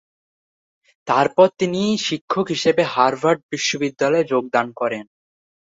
তারপর তিনি শিক্ষক হিসাবে হার্ভার্ড বিশ্ববিদ্যালয়ে যোগদান করেন।